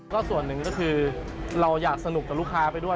ก็ส่วนหนึ่งก็คือเราอยากสนุกกับลูกค้าไปด้วย